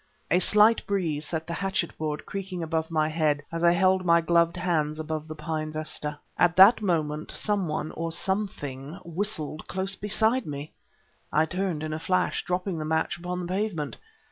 A slight breeze set the hatchet board creaking above my head, as I held my gloved hands about the pine vesta. At that moment some one or something whistled close beside me! I turned, in a flash, dropping the match upon the pavement.